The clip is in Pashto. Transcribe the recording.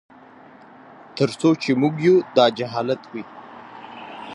تر څو چي موږ یو داجهالت وي